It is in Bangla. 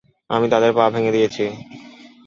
আমি তাদের পা ভেঙ্গে দিয়েছি।